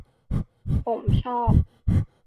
ผมชอบ